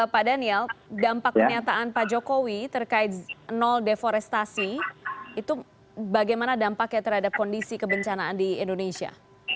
pak daniel dampak penyataan pak jokowi terkait nol deforestasi itu bagaimana dampaknya terhadap kondisi kebencanaan di indonesia